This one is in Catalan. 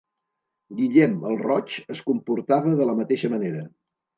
Guillem el Roig es comportava de la mateixa manera.